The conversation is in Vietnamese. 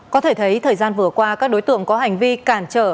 có thể thấy thời gian vừa qua các đối tượng có hành vi cản trở